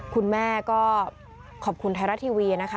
คุณแม่ก็ขอบคุณไทยรัฐทีวีนะคะ